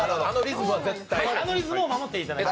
あのリズムを守っていただいて。